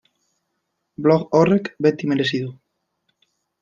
Blog horrek beti merezi du.